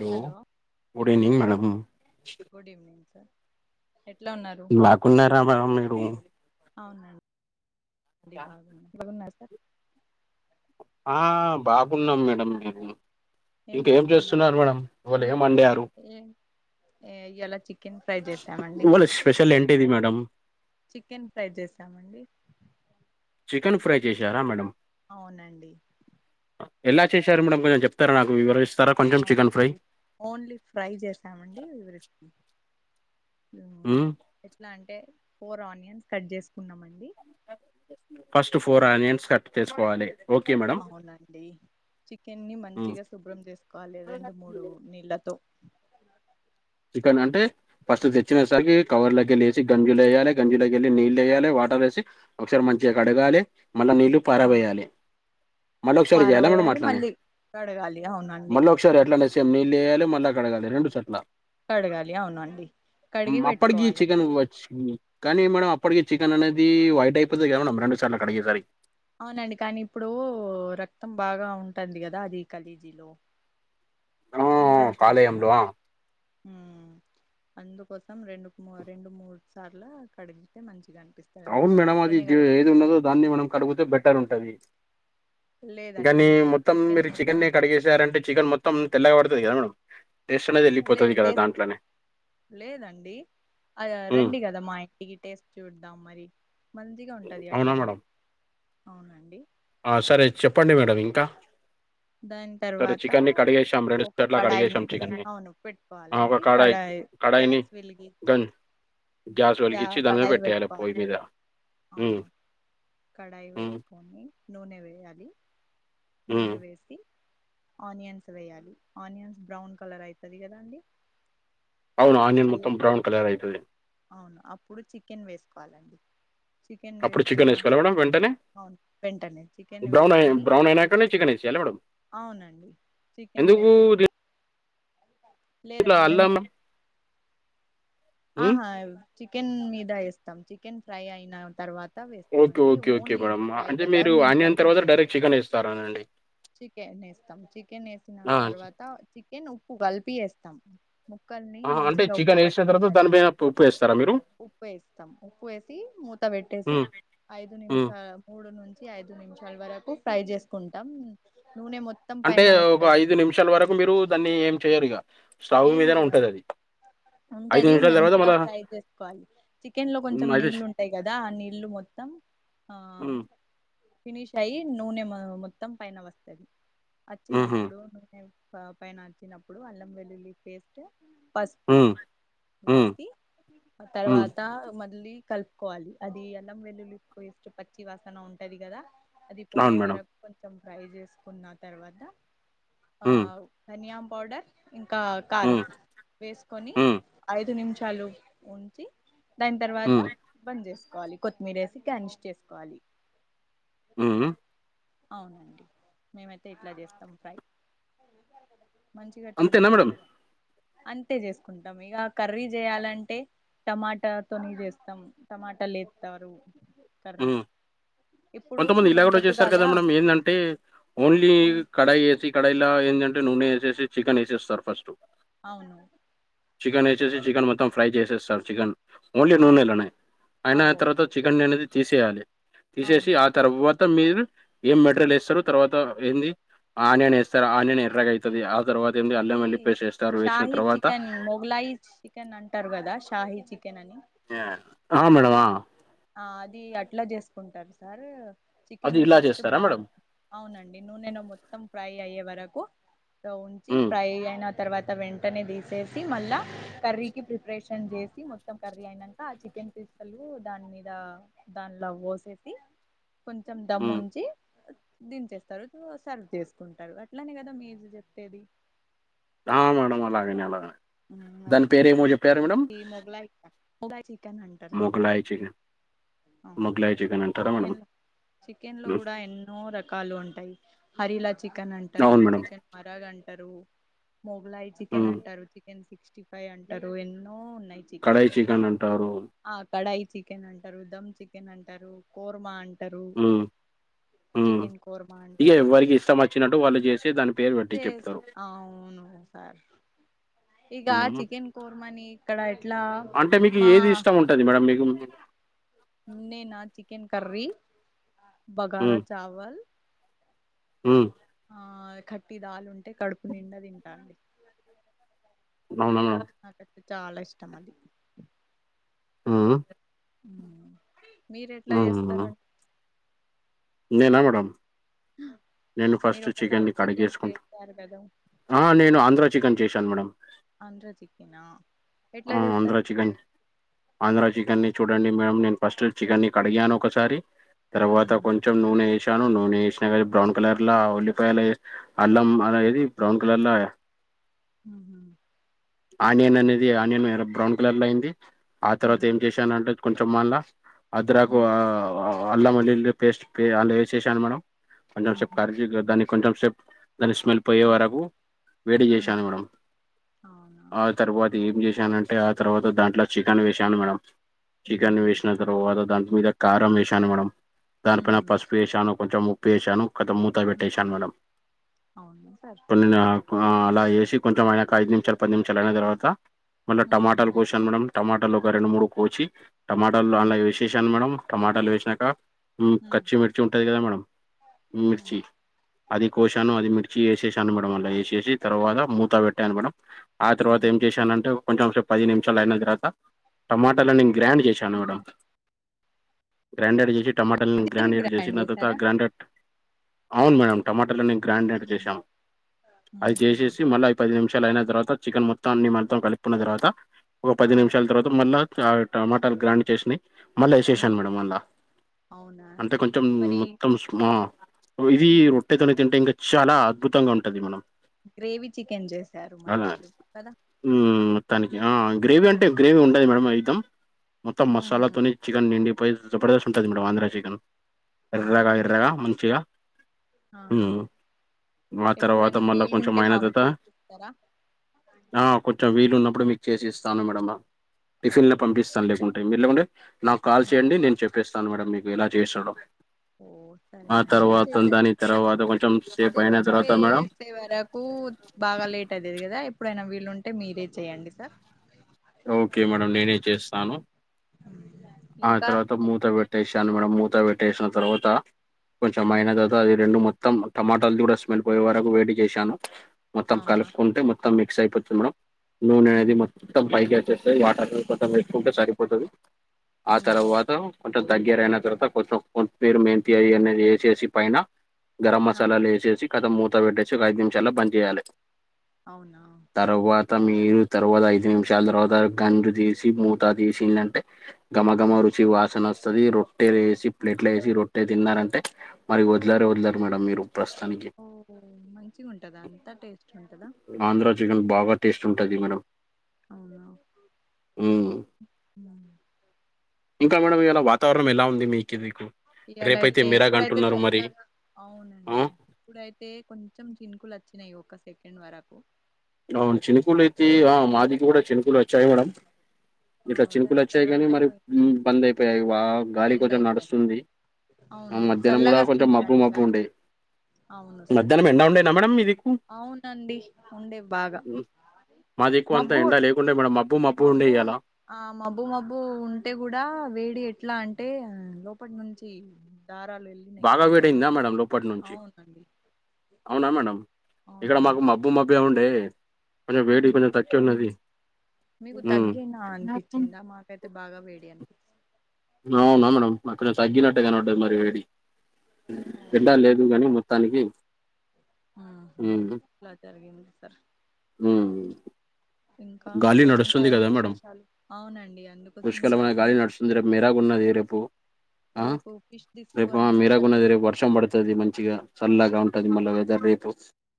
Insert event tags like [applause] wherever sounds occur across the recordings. Hello good evening madam good evening sir ఎట్లా ఉన్నారు బాగున్నారా మేడం మీరు అవునండి అండి బాగున్నారా సార్ ఆ బాగున్నాం మేడం మేము ఏం ఇంకేం చేస్తున్నారు మేడం వాళ్లు ఏం వండారు ఏమ్ చేసామండి వాళ్ళ స్పెషల్ ఏంటిది మేడం చికెన్ ఫ్రై చేసామండి చికెన్ ఫ్రై చేశారా మేడం అవునండి ఎలా చేశారు మేడం కొంచెం చెప్తారు నాకు వివరిస్ అవునండి ఓన్లీ ఫ్రై చేసామండి ఉ ఎట్లా అంటే ఫోర్ ఆనియన్స్ కట్ చేసుకున్నామండి ఫస్ట్ ఫోర్ ఆనియన్స్ కట్ చేసుకోవాలి ఓకే మేడం అవునండి చికెన్ని ఉమ్ మంచిగా శుభ్రం చేసుకోవాలి రెండు మూడు నీళ్ళతో చికెన్ అంటే ఫస్ట్ తెచ్చినసరికి కవల కెళ్ళి వేసి గంజు వేయాలి గంజుల కేల్లి నీళ్లు వేయాలి వాటర్ వేసి ఒకసారి మంచిగా కడగాలి మళ్ళా నీళ్ళు ఆ పారబోయాలే మళ్ళీ ఒకసారి చేయాల మేడం పారవేయాలి అట్లనే మళ్ళీ కడగాలి అవునండి మళ్ళీ ఒక ఇంకోసారి అట్లనే నీళ్లు వెయ్యాలే మళ్ళీ అడగాలే రెండు సార్ల కడగాలి అవును అండి అప్పటికి చికెన్ వచ్చింది కానీ మేడం అప్పటికి చికెన్ వైట్ అయిపోతుంది కద మేడం రెండు సార్లు కడిగేసారికి అవునండి కానీ ఇప్పుడు రక్తం బాగా ఉంటుంది కదా అది ఖలేజీలో ఆ! లివర్ ఫ్లో కాలేయంలో ఆ! అందుకోసం రెండు రెండు మూడు సార్లు కడిగితే మంచిగా అనిపిస్తుంది అవును మేడం అది ఏది ఉన్నదో దాన్ని మనం కడిగితే బెటర్ ఉంటది లేదండి కానీ మేము మొత్తం మీరు చికెన్ మొత్తం నీ కడిగేసారంటే చికెన్ మొత్తం తెల్లగా పడతది కదా మేడం టేస్ట్ అనేది ఎళ్ళిపోతది లేదు కదా టేస్ట్ దాంట్లోనే. లేదండి అ హ్మ్. రండి కదా మాయ ఇది టేస్ట్ చూద్దాం మరి మంచిగా ఉంటుంది అవునా అట్లనే మేడం? అవునండి సరే చెప్పండి మేడం ఇంకా దాని సరే తర్వాత చికెన్‌ని కడిగేసాం రెండు ఒక సార్ల కడాయిని కడిగేసాం చికెన్‌ని. అవును ఆ! ఒక పెట్టుకోవాలండి కడాయి కడాయిని క్యాస్ వెలిగించి గన్ వెలిగించి గ్యాస్ దాని మీద కడాయి పెట్టేయాలి పెట్టుకోవాలి పొయ్యి మీద. హ్మ్. అవును కడాయి హ్మ్. పెట్టుకొని నూనె వేయాలి హ్మ్. నూనె వేసి ఆనియన్స్ వేయాలి ఆనియన్స్ బ్రౌన్ కలర్ అయితది కదా అండి అవును ఆనియన్ అయ మొత్తం బౌన్ కలర్ అయితది అవును అప్పుడు చికెన్ వేసుకోవాలండి చికెన్ అప్పుడు చికెన్ ఏసుకోవాలా వేసుకున్నాక మేడం వెంటనే? అవును బెటరే చికెన్ నీ బ్రౌన్ అయి వేసుకొని బ్రౌన్ అయినాకనే చికెన్ ఏసేయాలా మేడం? అవునండి చికెన్ ఎందుకు వేసేసి దీంట్లో లేదండి మేము అల్లం హ్మ్. ఆహా చికెన్ మీద ఇస్తాం చికెన్ ఫ్రై అయిన తర్వాత మొత్తం వేస్తాం ఓకే. అండి ఓకే. Okay only madam. ఇది ఫ్రై అంటే కదా మీరు మేము ఆనియన్ కర్రీ తర్వాత చేయాలి డైరెక్ట్ చికెన్ వేస్తున్న నండి చికెన్ వేస్తాం చికెన్ వేసిన ఆ! తర్వాత చికెన్ ఉప్పు కలిపి వేస్తాం ముక్కల్ని మంచిగా ఉప్పు పట్టుకుంటది ఇస్తారా మీరు ఉప్పు వేస్తాం ఉప్పు వేసి మూత పెట్టేసి హ్మ్. ఐదు హ్మ్. నిమిషాలు మూడు నుంచి ఐదు నిమిషాల వరకు ఫ్రై చేసుకుంటాం నూనె మొత్తం అంటే పైన ఒక వస్తది ఐదు నిమిషాల వరకు మీరు దాన్ని ఏం చెయరు ఇగ స్టవ్ ఏం మీదనే చేయం ఉంటది అది ఉంటది మంచిగా ఫ్రై చేసుకోవాలి చికెన్ లో హ్మ్. కొంచెం అయితే చ్ నీళ్ళు ఉంటాయి కదా ఆ నీళ్లు మొత్తం ఆ హ్మ్. ఫినిష్ అయ్యి నూనె మో మొత్తం పైన వస్తది హుహు. వచ్చినప్పుడు నూనె ప పైన వచినప్పుడు అల్లం వెల్లుల్లి పేస్ట్ పసుపు హ్మ్. హ్మ్. వేసి ఆ హ్మ్. తర్వాత మళ్ళీ కలుపుకోవాలి అది అల్లం వెల్లులి పేస్ట్ పా చ్చి వాసన ఉంటది కదా అది అవును పోయే మేడం. వరకు కొంచెం ట్రై చేసుకున్న తర్వాత ఆ హ్మ్. ధనియా పౌడర్ ఇం కా కారం హ్మ్. వేసుకొని హ్మ్. ఐదు నిమిషాలు ఉంచి దాని తర్వాత హ్మ్. బంద్ చేసుకోవాలి కొత్తిమీర వేసి గార్నిష్ చేసుకోవాలి మ్మ్ మ్మ్ అవునండి మేమైతే ఇట్లా చేస్తాం ఫ్రై మంచిగా టేస్ట్ అంతేనా మేడం ఉంటది అంతే చేసుకుంటాం ఇగ కర్రీ చేయాలంటే టమాటా తోని చేేస్తాం టమాటా లేతారు కర్రీ హ్మ్ ఇప్పుడు కొంతమంది ఇలా మేము కూడా చేస్తారు పొద్దుగాల కదా మేడం ఏంటంటే ఓన్లీ కడాయి ఏసి కడాయి ల ఎందంటే నూనె వేసేసి చికెన్ వేసేస్తారు ఫస్ట్ అవును చికెన్ వేసేసి చికెన్ మొత్తం ఫ్రై చేసేస్తారు చికెన్ ఓన్లీ నూనెళ్ళనే అయిన ఆ తర్వాత చికెన్ అనేది తీసేయాలి తీసేసి అవును ఆ తర్వాత మీరు ఏం మెటీరియల్ వేస్తారు తర్వాత ఏంది ఆనియాన్ వేస్తారు ఆనియన్ ఎర్రగా అయి తది ఆ తర్వాత ఏంది అల్లం అది వెల్లి పేస్ట్ ఎస్తారు వేసిన తర్వాత గులయిచ్ చికెన్ అంటారు కదా షాహీ చికెన్ అని ఆ మేడమ్ ఆ ఆది అట్ల చేసుకుంటారు సార్ అది చికెన్ని ఇలా ఫస్ట్ చేస్తారా బ్రౌ మేడం అవునండి నూనె లో మొత్తం ఫ్రై అయ్యే వరకు ఉంచి హ్మ్ ఫ్రై అయిన తర్వాత వెంటనే తీసేసి మళ్ళా కర్రీకి ప్రిపరేషన్ చేసి మొత్తం కర్రీ అయినంక ఆ చికెన్ పిస్తలు దాని మీద దానిలో పోసేసి కొంచెం హ్మ్ దమ్ముంచి దించేస్తారు సర్వ్ చేసుకుంటారు అట్లనే కదా మీరు చెప్పేది దా మేడం అలాగనే అలాగనే మ్మ్ హు అది పేరు ఏమో చెప్ ఈ మొగలాయి మొగలాయి చికెన్ అంటారండి మొగలాయి చికెన్ మొగలాయి అవునండి అంటారా మేడం చికెన్ లో చికెన్ లో ఉమ్, కూడా ఎన్నో రక్ కాళ్ళు ఉంటాయి హరిలా చికెన్ అంటారు అవును మేడం చికెన్ మరాగ్ అంటారు మొగలాయి చికెన్ హ్మ్. అంటారు చికెన్ సిక్స్టీ ఫైవ్ అంటారు ఎన్నో ఉన్నాయి చికెన్ కడాయి తోని అంటారు. ఆ కడాయి చికెన్ అంటారు దమ్ చికెన్ అంటారు కూర్మ అన్ టరు హ్మ్. హ్మ్. చికెన్ కోరమా ఇగ అంటారు ఎవ్వరికి ఇష్టం వచ్చినట్టు వాళ్ళు చేసి దాని పేరు పెట్టి చేస్ చెప్తారు. అవును ఆ ఇగ హ్మ్. చికెన్ కోర్మాని ఇక్కడ ఎట్లా మా తది మేడం మీ రూమ్మేట్ నేనా చికెన్ కర్రీ బఘారా చావల్ మ్మ్ ఆ కట్టి దాలుంటే కడుపు నిండా తింట అండి అవునవును మేడమ్ నాకైతే చాలా ఇష్టం అది మ్ మ్ మీరు ఎట్లా చేస్తారు హ్మ్. నేనా మేడం హ నేను ఫస్ట్ చికెన్ని కడిగేసుకుంటా కదా ఆ నేను ఆంధ్ర చికెన్ చేశాను మేడంమ్ ఆంద్ర చికెన్ ఆ ఎట్లా ఆ! ఆంధ్ర చేస్తారు సార్ చికెన్ ఆంధ్ర చికెన్ని చూడండి మామ్ నేను ఫస్ట్ చికెన్ని కడిగాను ఒకసారి తర్వాత మ్మ్. కొంచెం నూనె వేసాను నూనె వేసిన బ్రౌన్ కలర్లా ఉల్లిపాయ అల్లం అనేది బ్రౌన్ కలర్ లో ఊహు ఆనియన్ అనేది ఆనియన్ బ్రౌన్ కలర్ లో అయింది ఆ తర్వాత మ్మ్. ఏం చేసింది అంటే కొంచెం మళ్ళా అదరాకు మ్మ్. ఆ ఆ అల్లం వెల్లుల్లి పేస్ట్ అ వేససాను మేడం కొంచెం సేపు మ్మ్. కరజీ దాని కొంచెం సేపు దాని స్మెల్ పోయే మ్మ్. వరకు వేడి హ్మ్ చేశాను మేడం అవునా ఆ తర్వాత ఏం చేసానంటే ఆ తర్వాత దాంట్లో చికెన్ వేసాను మేడం చికెన్ హుహు. వేసిన తర్వాత దాని మీద కారం వేసాను మేడం దానిపైన హుహు. పసుపు వేసాను కొంచెం ఉప్పు వేసాను త్త హ్మ్. పెట్టేశాను మేడమ్ అవునా సార్? కొన్నిను ఆ అలా ఏసి కొంచెం ఆయనక ఐదు నిమిషాలు పది నిమిషాలు అయిన తర్వాత మళ్ళా టమాటాలు హుహు. కోశాను మేడం టమాటాలు ఒక రెండు మూడు కోచి టమాటాలు హ్మ్. అలా వేసేసాను మేడం టమాటాలు వేసినాక హ్మ్. కచ్చిమిర్చి ఉంటుంది కదా మేడం మిర్చి అది కోశాను అది మిక్సీ వేసేసాను మేడం అళ్లా వేసేసి ఆ! తర్వాత మూతా పెట్టాను మేడం ఆ తర్వాత హ్మ్. ఏం చేశానంటే కొంచెం సేపు పది నిమిషాలు అయిన తర్వాత టమాటల్ని నేను గ్రైండ్ చేశాను మేడం గ్రాైండెడ్ చేసి టమాటాలని తిరి గ్రాైండెడ్ చేసి గ్రాండ్ ఆ తర్వాత చేసారా? గ్రాైండెడ్ అవును మేడం టమాటాలని గ్రాండెడ్ హుహు. చేసాం అది హుహు. చేసేసి మళ్ళీ పది నిమిషాలు అయిన తర్వాత చికెన్ మొత్తాన్ని మొత్తం కలిపుకున్న తర్వాత ఒక ఆ! పది నిమిషాల తర్వాత మళ్ళా టమాటాలు గ్రైండ్ చేసిిన మళ్ళీ హ్మ్. వేసేసాను మేడం మళ్ళా అవునా? అంటే కొంచెం మరి మొత్తంమా స్మా ఇది ఆ! రొట్టైతోనే తింటే ఇంకా చాలా అద్భుతంగా ఉంటది మనం గ్రేవీ చికెన్ చేసారు మరి మీరు కదా మ్ మొత్తానికి ఆ గ్రేవీ అంటే గ్రేవీ ఉంటది మేడం ఐటం మొత్తం హుహు. మసాలాతోని చికెన్ నిండిపోయి జబర్దస్ ఉంటుంది మేడమ్ ఆంధ్ర చికెన్ అవునా ఎర్ర్రాగా అండి? ఎర్రగా మంచిగా ఆహా! మ్ ఆ తర్వాత ఎప్పుడైనా మళ్ళా కొంచెం వీలుంటే మాకు ఆైనదతా చేసిస్తారా? ఆ కొంచెం వీలు ఉన్నప్పుడు మీకు చేసిస్తాను మేడమ్ టిఫిన్ లో ఓహ్! పంపిస్తాను లే మిల్లు నాకు కాల్ చేయండి ఓకే. నేను చెప్పేస్తాను మేడం మీకు ఎలా చేసుడొ ఓహ్! ఆ సరేనండి. తర్వాత చేసే దాని తర్వాత కొంచెం సేప్ అయిన తర్వాత మేడం [unintelligible] బాగా లేట్ అయ్యేది కదా ఎప్పుడైనా వీలు ఉంటే మీరే చెయండి సార్ ఓకే మేడం నేనే చేస్తాను [inaudible] ఆ తర్వాత మూత పెట్టేసాను మేడం మూత పెట్టేసిన తర్వాత కొంచెంమైనద అది రెండు మొత్తం టమాటాలు కూడా స్మెల్ పోయే వరకు వేట్ చేశాను మొత్తం అవునా కలుపుకుంటే మ మొత్తం మిక్స్ అయిపోతుంది మేడం నూనె అనేది ఉమ్ మొత్తం మొత్తం పైకి వచ్చేస్తయి వాటర్ కొంత పెట్టుకుంటే సరిపోతది ఆ ఉహు తర్వాత కొంచెం దగ్గర అయిన తర్వాత కొంచెం కొత్తిమీరి మేంతి అనేది వేసేసి పైన గరం ఆ మసాలాలు వేసేసి కథం మూత పెట్టేసి ఒక ఐదు నిమిషాల్లో బంద్ చేేయాలి అవునా తర్వాత మీరు తరువాత ఐదు నిమిషాల తర్వాత గంజు తీసి మూతా తీసిలంటే గఘమ గఘమ ఉమ్ రుచి వాసన వస్తుంది రొట్టె వేసి ప్లేట్ల వేసి రొట్టె తిన్నారంటే మరి వదిలరే వదిలరు మేడం మీరు ప్రస్తుతానికి ఓహో మంచిగా ఉంటదా అంతా టేస్ట్ ఉంటందా ఆంధ్ర చికెన్ బాగా టేస్ట్ ఉంటుది మేడం అవునా మ్మ్ ఇంకా మేడం ఇవాళ వాతావరణం ఎలా ఉంది మీకిది ఇయ్యాలయితే ఇప్పుడైతే చల్లగా ఆ అవునండి ఇప్పుడైతే కొంచెం చిన్కులు వచ్చినాయి ఒక సెకండ్ వరకు అవును చినుకూలు అయితే ఆ మాదికి కూడా చినుకూలు వచ్చాయి మేడం ఆ ఇట్లా చినుకులు దాని వచ్చాయి కానీ తర్వాత మరి పోయి- బంద్ అయిపోయాయి వా గాలి బంద్ కొంచెం అయిపోయింది నడుస్తుంది అవును మధ్యాహ్నం కూడా చల్లగా కొంచెం వస్తుంది మబ్బు కానీ మబ్బు గాలి ఉండే అవును సార్ మధ్యాహ్నం ఎండ ఉండేనా మేడం మీదిక్కు ఆ ఉండే బాగా మాది దిక్కు అంతా మబ్బు ఎండ లేకుండే మేడం మబ్బు మబ్బు ఉండేఇయలా ఆ మబ్బు మబ్బు ఉంటే కూడా వేడి ఎట్ ఎట్లా అంటే లోపలి నుంచి దారాలు వె బాగా వెడి అయ్యిద మేడం లోపటి నుంచి అవునా మేడం ఇక్కడ మాకు అవునండి మ మబ్బు మబ్బే ఉండే కొంచం ఉమ్ వేడి కొంచం తగ్గే ఉన్నది మీకు ఉమ్ తగ్గిన అనిపించిందా మాకైతే బాగా వేడి అనిపి అవునా మేడం మాకు ఆ, తగినట్టేగా కనబడ్డది మరి వేడి ఎండలేదు గాని మొత్తానికి ఆహా అట్లా జరిగింది సార్ హ్మ్ ఇంకా గాలి ఇంకా నడుస్తుంది ఏం కదా మేడం విశేషాలు అవునండి అందుకోసమే ముష్కలమైన గాలి బయటనే కూ నడుస్తుంది రేపు మెరాగా ఉన్నది రేపు ప్పు ఆ రేపు ఫిష్ రేపు తీసుకొని మీరాగు వస్తారా ఉన్నది మీరు రేపు వర్షం పడుతుంది మంచిగా చల్లాగా ఉంటది మళ్ళా వెదర్ రేపు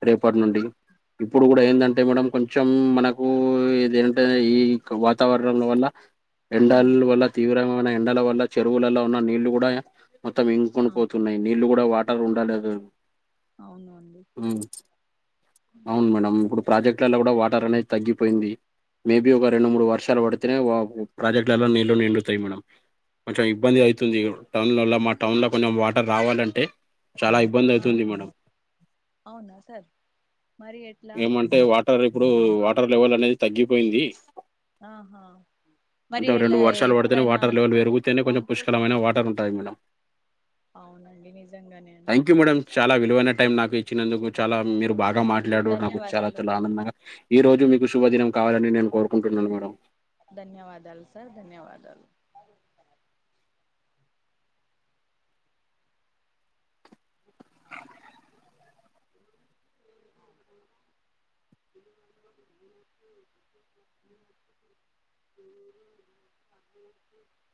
రేపటి ఆ, నుండి ఇప్పుడు కూడా ఏందంటే మేడం కొంచెం మనకు హ్మ్ ఇది ఏంటే ఈక వాతావరణం వల్ల ఉమ్ ఎండాల వల్ల తీవ్రమైన ఎండల వల్ల చెరువులలో ఉన్న నీళ్లు కూడా మొత్తం ఇంకుకొని అవును పోతున్నాయి నీళ్ళ కూడా వాటర్ ఉండలేదు అవునా అండి అవును మేడం ఇప్పుడు ప్రాజెక్ట్లలో కూడా వాటర్ అనేది తగ్గిపోయింది మేబి ఒక రెండు మూడు వర్షాలు పడితేనే ఓ ప్రాజెక్ట్లా ఆ, నీళ్లు నిండు తాయ్ మేడం కొంచెం ఇబ్బంది అవుతుంది టౌన్లోల్ల మా టౌన్లో కొంచెం వాటర్ రావాలంటే చాలా ఇబ్ ఆహా అవునా సార్ మరి ఎట్లా అంటే వాటర్ ఇప్పుడు వాటర్ లెవెల్ అనేది తగ్గిపోయింది ఆహా మరి కొంచె రెండు ఇలా వర్షాలు పడితేనే ఎప్పుడైనా వాటర్ లెవల్ పెరుగుతనే కొంచం పంపు పుష్కలమైన వాటర్ ఉంటుంది మేడం అవునండి నిజంగానే థ్యాంక్ యూ మేడం చాలా విలువైన టైం నాకు ఇచ్చినందుకు చాలా మీరు బాగా థ్యాంక్ యూ మాట్లాడరు నాకు చాలా ధన్యవాదాలు చాలా ఆనందంగా ఈ రోజు మీకు శుభదినం కావాలని నేను కోరుకుంటున్నాను మేడం ధన్యవాదాలు సార్ ధన్యవాదాలు [inaudible] [inaudible] [inaudible]